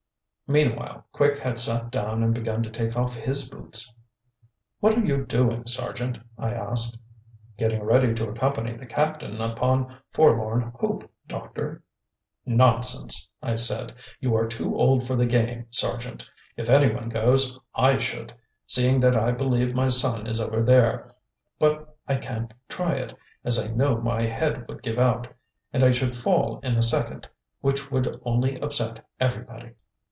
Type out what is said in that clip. Meanwhile Quick had sat down and begun to take off his boots. "What are you doing, Sergeant?" I asked. "Getting ready to accompany the Captain upon forlorn hope, Doctor." "Nonsense," I said, "you are too old for the game, Sergeant. If any one goes, I should, seeing that I believe my son is over there, but I can't try it, as I know my head would give out, and I should fall in a second, which would only upset everybody."